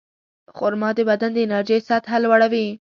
خرما د بدن د انرژۍ سطحه لوړوي.